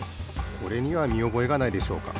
これにはみおぼえがないでしょうか。